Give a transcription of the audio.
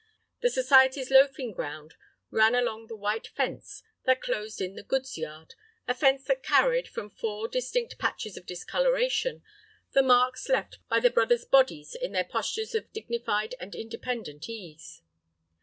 The society's loafing ground ran along the white fence that closed in the "goods" yard, a fence that carried, from four distinct patches of discoloration, the marks left by the brothers' bodies in their postures of dignified and independent ease.